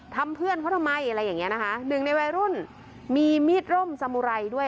เพื่อนเขาทำไมอะไรอย่างเงี้นะคะหนึ่งในวัยรุ่นมีมีดร่มสมุไรด้วย